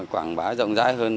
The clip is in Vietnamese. quảng bá rộng rãi hơn